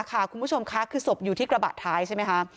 คุณผู้ชมค่ะคือศพอยู่ที่กระบะท้ายใช่ไหมคะ